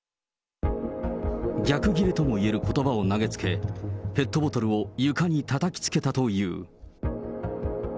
逆切れともいえることばを投げつけ、ペットボトルを床にたたきつけたという。